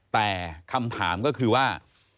แต่คำถามก็คือว่า